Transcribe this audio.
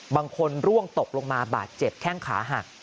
บางคนร่วงตกลงมาบาดเจ็บแข้งขาหัก